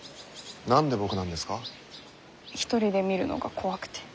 で一人で見るのが怖くて。